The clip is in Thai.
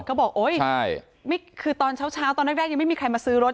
ก็บอกโอ๊ยนี่คือตอนเช้าตอนแรกยังไม่มีใครมาซื้อรถ